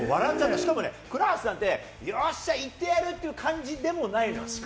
しかも倉橋さんってよっしゃ行ってやる！っていう感じでもないの。